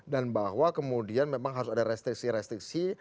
dan bahwa kemudian memang harus ada restriksi restriksi